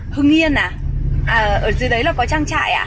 tuy nhiên à ở dưới đấy là có trang trại à